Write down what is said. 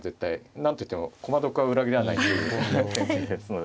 何と言っても駒得は裏切らないという先生ですので。